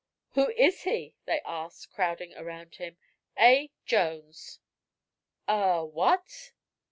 "Who is he?" they asked, crowding around him. "A. Jones." "A what?"